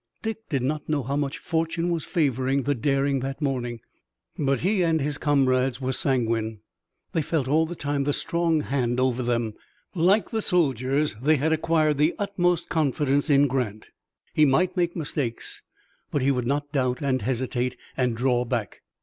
Dick did not know how much fortune was favoring the daring that morning, but he and his comrades were sanguine. They felt all the time the strong hand over them. Like the soldiers, they had acquired the utmost confidence in Grant. He might make mistakes, but he would not doubt and hesitate and draw back.